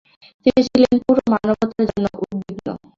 তিনি ছিলেন পুরো মানবতার জন্য উদ্বিগ্ন।